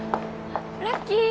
ラッキー！